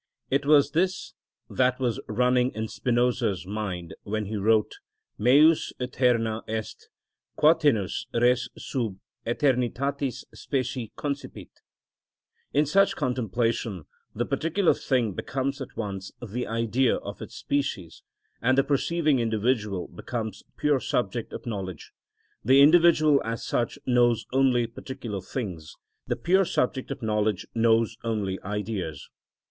It was this that was running in Spinoza's mind when he wrote: _Meus æterna est, quatenus res sub æternitatis specie __ concipit_ (Eth. V. pr. 31, Schol.)(47) In such contemplation the particular thing becomes at once the Idea of its species, and the perceiving individual becomes pure subject of knowledge. The individual, as such, knows only particular things; the pure subject of knowledge knows only Ideas.